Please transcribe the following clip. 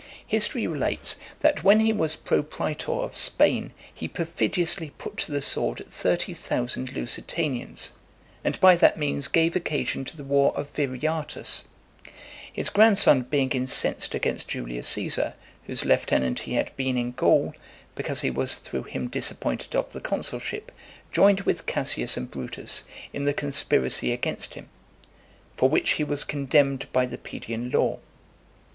History relates, that, when he was pro praetor of Spain, he perfidiously put to the sword thirty thousand Lusitanians, and by that means gave occasion to the war of Viriatus . His grandson being incensed against Julius Caesar, whose lieutenant he had been in Gaul, because he was through him disappointed of the consulship , joined with Cassius and Brutus in the conspiracy against him, for which he was condemned by the Pedian law.